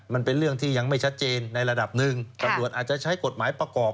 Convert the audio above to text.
มันเป็นเรื่องที่ยังไม่ชัดเจนในระดับหนึ่งตำรวจอาจจะใช้กฎหมายประกอบ